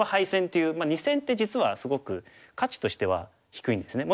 二線って実はすごく価値としては低いんですね。